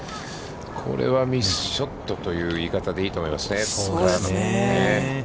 これはミスショットという言い方でいいと思いますね。